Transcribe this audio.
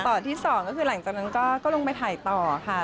ตอนที่๒ก็คือหลังจากนั้นก็ลงไปถ่ายต่อค่ะ